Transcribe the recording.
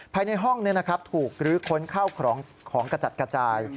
ภายในห้องถูกลื้อค้นเข้าของกระจัดกระจาย